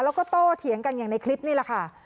แล้วก็โตเถียงกันอย่างในคลิปนี่แหละค่ะ